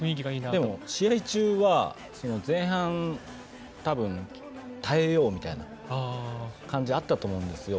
でも、試合中は前半たぶん耐えようみたいな感じはあったと思うんですよ。